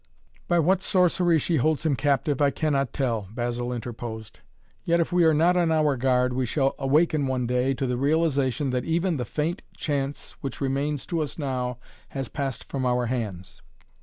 "By what sorcery she holds him captive, I cannot tell," Basil interposed. "Yet, if we are not on our guard, we shall awaken one day to the realization that even the faint chance which remains to us now has passed from our hands.